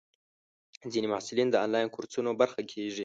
ځینې محصلین د انلاین کورسونو برخه کېږي.